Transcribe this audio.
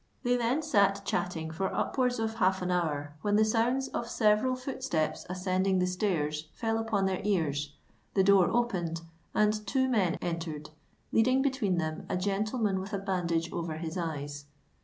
They then sate chatting for upwards of half an hour, when the sound of several footsteps ascending the stairs fell upon their ears: the door opened—and two men entered, leading between them a gentleman with a bandage over his eyes.